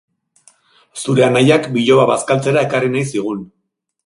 Zure anaiak biloba bazkaltzera ekarri nahi zigun.